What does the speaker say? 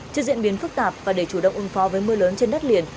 trước diễn biến phức tạp và để chủ động ứng phó với mưa lớn trên đất liền